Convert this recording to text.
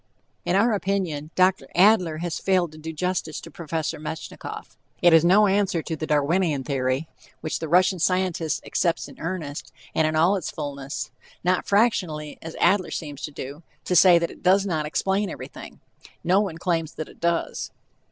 In our opinion Dr. Adler has failed to do justice to Prof. Metchnikoff. It is no answer to the Darwinian Theory, which the Russian scientist accepts in earnest, and in all its fullness, not fractionally, as Adler seems to do to say that it does not explain everything. No one claims that it does.